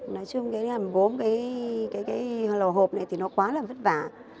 nói chung cái làm gốm cái lò hộp này thì nó quá là vất vả